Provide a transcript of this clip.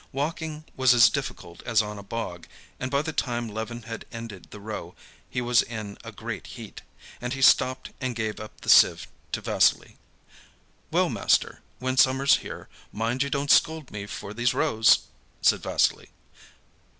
Walking was as difficult as on a bog, and by the time Levin had ended the row he was in a great heat, and he stopped and gave up the sieve to Vassily. "Well, master, when summer's here, mind you don't scold me for these rows," said Vassily.